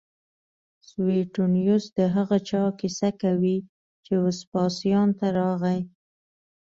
سویټونیوس د هغه چا کیسه کوي چې وسپاسیان ته راغی